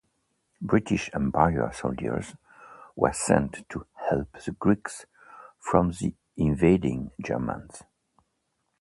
British Empire soldiers were sent to help the Greeks from the invading Germans.